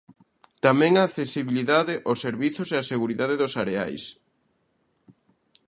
Tamén a accesibilidade, os servizos e a seguridade dos areais.